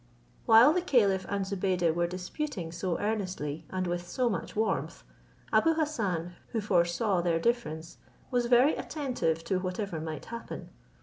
While the caliph and Zobeide were disputing so earnestly, and with so much warmth, Abou Hassan, who foresaw their difference, was very attentive to whatever might happen.